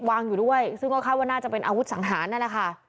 อยู่ด้วยซึ่งก็คาดว่าน่าจะเป็นอาวุธสังหารนั่นแหละค่ะ